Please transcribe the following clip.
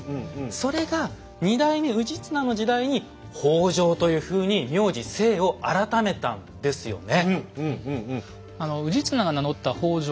それが２代目氏綱の時代に「北条」というふうに名字姓を改めたんですよね。